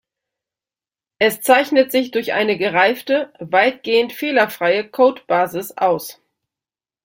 Es zeichnet sich durch eine gereifte, weitgehend fehlerfreie Codebasis aus.